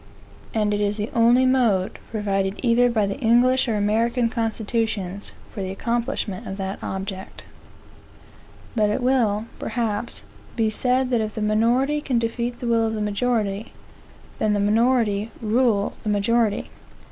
And it is the only mode, provided either by the English or American constitutions, for the accomplishment of that object. But it will, perhaps, be said that if the minority can defeat the will of the majority, then the minority rule the majority.